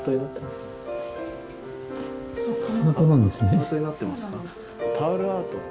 ハートになってますか？